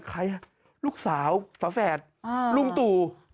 ใครลูกสาวฝาแฝดลุงตู่